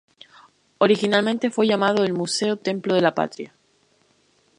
Originalmente fue llamado el "Museo-templo de la patria".